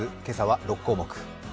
今朝は６項目。